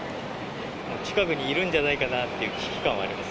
近くにいるんじゃないかなっていう危機感はあります。